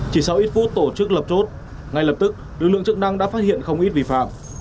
chỉ sau ít phút tổ chức lập chốt ngay lập tức lực lượng chức năng đã phát hiện không ít vi phạm